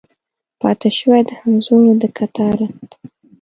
پاته شوي د همزولو د کتاره